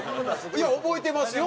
いや覚えてますよ。